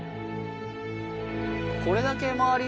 これだけ周り